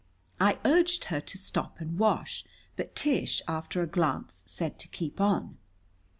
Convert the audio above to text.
I urged her to stop and wash, but Tish, after a glance, said to keep on.